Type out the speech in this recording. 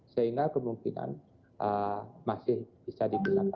sehingga kemungkinan masih bisa digunakan